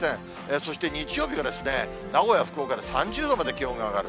そして、日曜日は名古屋、福岡で３０度まで気温が上がる。